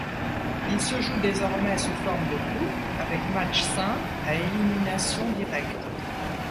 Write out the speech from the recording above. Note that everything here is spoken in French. Il se joue désormais sous forme de coupe, avec match simple à élimination directe.